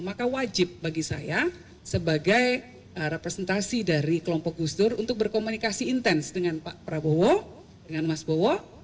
maka wajib bagi saya sebagai representasi dari kelompok gus dur untuk berkomunikasi intens dengan pak prabowo dengan mas bowo